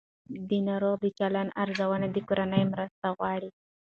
د ناروغ د چلند ارزونه د کورنۍ مرسته غواړي.